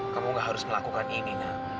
kamu gak harus melakukan ini